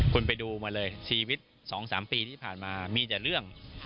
คุณไปดูมาเลยชีวิต๒๓ปีที่ผ่านมามีแต่เรื่อง